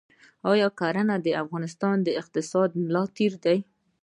آیا کرنه د افغانستان د اقتصاد ملا تیر دی؟